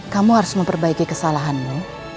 kamu harus memperbaiki kesalahanmu